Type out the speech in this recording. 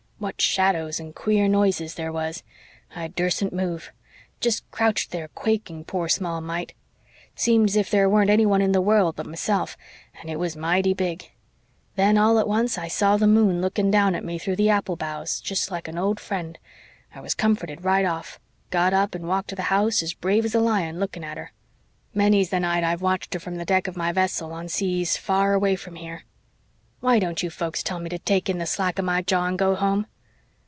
What shadows and queer noises there was! I dursn't move. Jest crouched there quaking, poor small mite. Seemed 's if there weren't anyone in the world but meself and it was mighty big. Then all at once I saw the moon looking down at me through the apple boughs, jest like an old friend. I was comforted right off. Got up and walked to the house as brave as a lion, looking at her. Many's the night I've watched her from the deck of my vessel, on seas far away from here. Why don't you folks tell me to take in the slack of my jaw and go home?"